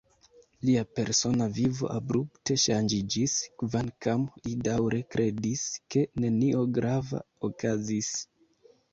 Lia persona vivo abrupte ŝanĝiĝis, kvankam li daŭre kredis, ke nenio grava okazis.